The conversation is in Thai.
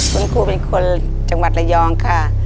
คุณครูเป็นคนจังหวัดระยองค่ะ